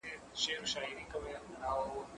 هغه څوک چي سپينکۍ مينځي روغ وي